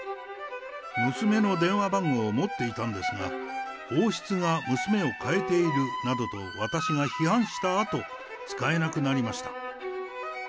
娘の電話番号を持っていたんですが、王室が娘を変えているなどと私が批判したあと、使えなくなりました。